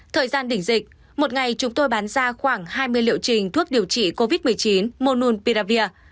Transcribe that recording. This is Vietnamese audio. thời gian đỉnh dịch một ngày chúng tôi bán ra khoảng hai mươi liệu trình thuốc điều trị covid một mươi chín monun piravir